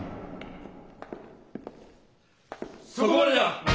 そこまでだ！